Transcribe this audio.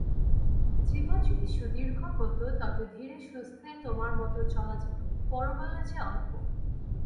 জীবন যদি সুদীর্ঘ হত তবে ধীরেসুস্থে তোমার মতে চলা যেত, পরমায়ূ যে অল্প।